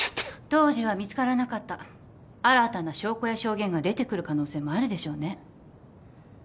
当時は見つからなかった新たな証拠や証言が出てくる可能性もあるでしょうね。